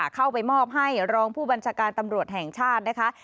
เข้าไปมอบให้รองผู้บัญชาการตำรวจแห่งชาตินะคะ